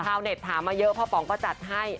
เน็ตถามมาเยอะพ่อป๋องก็จัดให้